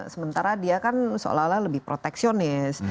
sementara dia kan seolah olah lebih proteksionis